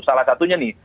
salah satunya nih